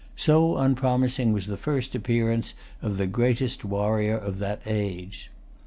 So unpromising was the first appearance of the greatest warrior of that age.